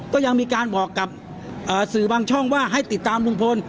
ก็ยังมีการบอกกับสื่อบางช่องว่าให้ติดตามลุงพล